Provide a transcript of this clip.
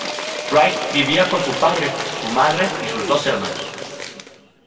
Wright vivía con su padre, su madre y sus dos hermanos.